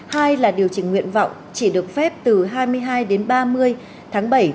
hai là điều chỉnh nguyện vọng chỉ được phép từ hai mươi hai đến ba mươi tháng bảy